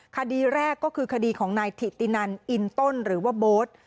คดีแรกก็คือคดีของนายถิตินันอินต้นหรือว่าโบ๊ท